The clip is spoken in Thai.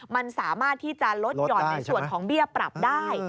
มันสามารถที่จะลดหย่อนในส่วนของเบี้ยปรับได้